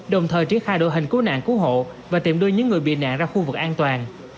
đồng thời triển khai đội hình cứu nạn cứu hộ và tìm đưa những người bị nạn ra khu vực an toàn